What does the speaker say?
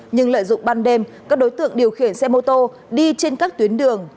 nhưng lợi dụng ban đêm các đối tượng điều khiển xe mô tô đi trên các tuyến đường